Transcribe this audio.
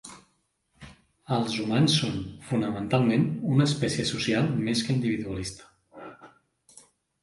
Els humans són, fonamentalment, una espècie social més que individualista.